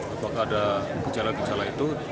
apakah ada kejalan kejalan lainnya